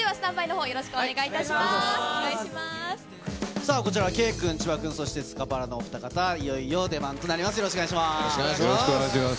さあ、こちらは圭君、千葉君、そしてスカパラのお二方、いよいよ出番となります。